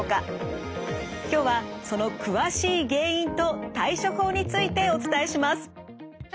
今日はその詳しい原因と対処法についてお伝えします。